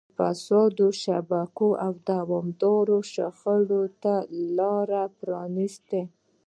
فاسدو شبکو او دوامداره شخړو ته لار پرانیسته.